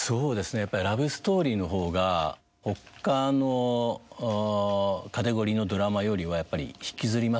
やっぱりラブストーリーのほうが他のカテゴリーのドラマよりはやっぱり引きずりますね。